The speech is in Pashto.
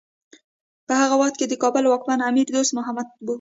په هغه وخت کې د کابل واکمن امیر دوست محمد و.